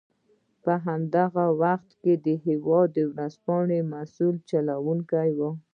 په همدغو وختونو کې د هېواد ورځپاڼې مسوول چلوونکی و.